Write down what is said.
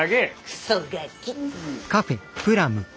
クソガキ。